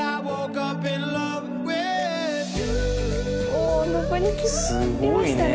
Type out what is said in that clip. お昇りきりましたね。